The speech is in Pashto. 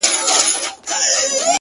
مه وله د سترگو اټوم مه وله ـ